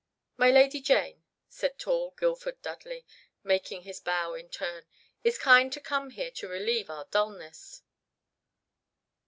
"My Lady Jane," said tall Guildford Dudley, making his bow in turn, "is kind to come here to relieve our dulness."